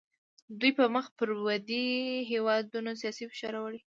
دوی په مخ پر ودې هیوادونو سیاسي فشار راوړي